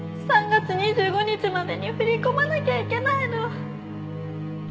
３月２５日までに振り込まなきゃいけないの。